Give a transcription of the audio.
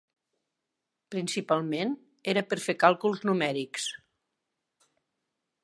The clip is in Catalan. Principalment, era per fer càlculs numèrics.